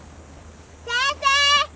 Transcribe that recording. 先生！